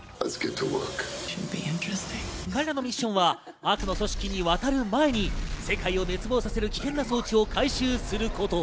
彼らのミッションは悪の組織に渡る前に世界を滅亡させる危険な装置を回収すること。